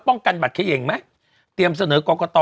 กันบัตรเขย่งไหมเตรียมเสนอกรกต